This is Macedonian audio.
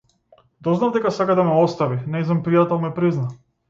Дознав дека сака да ме остави, нејзин пријател ми призна.